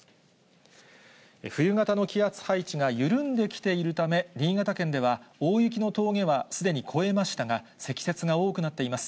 冬型の気圧配置が緩んできているため、新潟県では大雪の峠はすでに越えましたが、積雪が多くなっています。